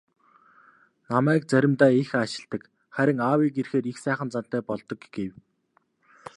"Намайг заримдаа их аашилдаг, харин аавыг ирэхээр их сайхан зантай болдог" гэв.